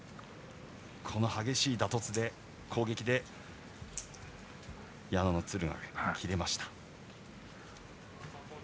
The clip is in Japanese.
この激しい打突、攻撃で矢野の弦が切れました。